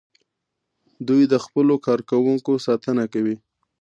دوی د خپلو کارکوونکو ساتنه کوي.